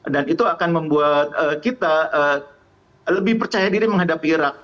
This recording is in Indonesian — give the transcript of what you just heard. dan itu akan membuat kita lebih percaya diri menghadapi irak